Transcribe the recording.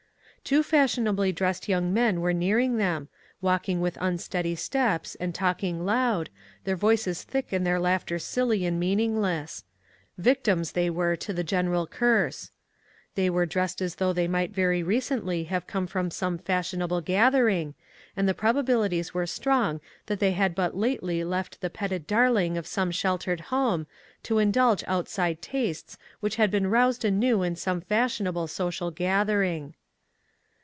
Two fashionably dressed young men were nearing them, walking with unsteady steps and talking loud, their voices thick and their laughter silly and meaningless; victims they were to the general curse. They were dressed as though they might very recently have come from some fashionable gathering, and the probabilities were strong that they had but lately left the petted darling of some sheltered home, to indulge outside tastes which had been roused anew in some fashionable social gathering.